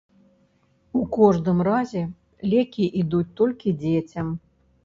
У кожным разе, лекі ідуць толькі дзецям.